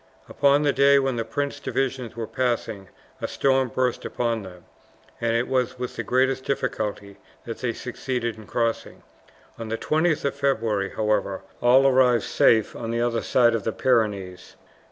Upon the day when the prince's division were passing a storm burst upon them, and it was with the greatest difficulty that they succeeded in crossing. On the 20th of February, however, all arrived safe on the other side of the Pyrenees.